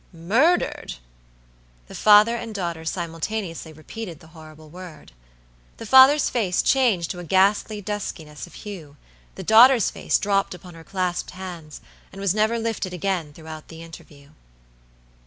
"Murdered!" The father and daughter simultaneously repeated the horrible word. The father's face changed to a ghastly duskiness of hue; the daughter's face dropped upon her clasped hands, and was never lifted again throughout the interview.